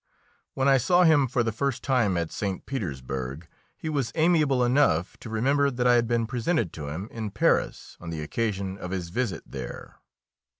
When I saw him for the first time at St. Petersburg he was amiable enough to remember that I had been presented to him in Paris on the occasion of his visit there.